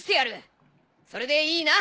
それでいいな？